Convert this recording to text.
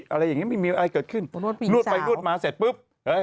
อะไรอย่างนี้ไม่มีอะไรเกิดขึ้นนวดไปนวดมาเสร็จปุ๊บเอ้ย